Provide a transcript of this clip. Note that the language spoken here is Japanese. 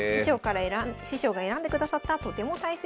師匠が選んでくださったとても大切な時計です。